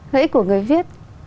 lợi ích của người viết